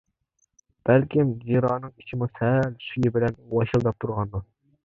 بەلكىم جىرانىڭ ئىچىمۇ سەل سۈيى بىلەن ۋاشىلداپ تۇرغاندۇ.